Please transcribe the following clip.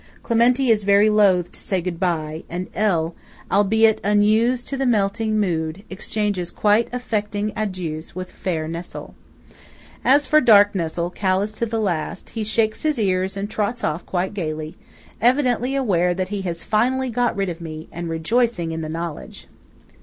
Clementi is very loath to say goodbye; and L. "albeit unused to the melting mood," exchanges quite affecting adieux with fair Nessol. As for dark Nessol, callous to the last, he shakes his ears and trots off quite gaily, evidently aware that he has finally got rid of me, and rejoicing in the knowledge.